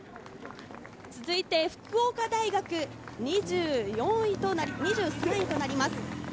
続いて福岡大学、２３位となります。